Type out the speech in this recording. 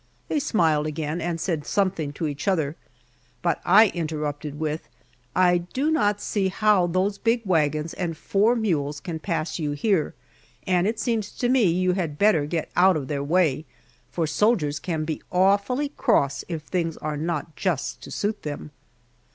They smiled again, and said something to each other, but I interrupted with, "I do not see how those big wagons and four mules can pass you here, and it seems to me you had better get out of their way, for soldiers can be awfully cross if things are not just to suit them."